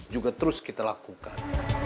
juga terus kita lakukan